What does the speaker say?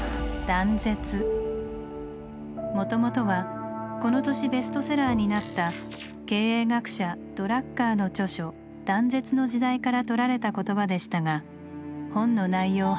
もともとはこの年ベストセラーになった経営学者ドラッカーの著書「断絶の時代」から取られた言葉でしたが本の内容を離れ独り歩き。